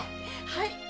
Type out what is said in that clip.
はい！